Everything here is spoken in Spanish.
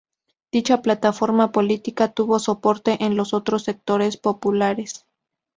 Dicha plataforma política tuvo soporte en los otros sectores populares.